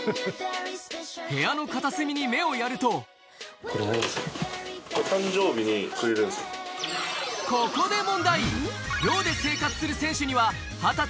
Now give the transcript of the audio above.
部屋の片隅に目をやるとここであ！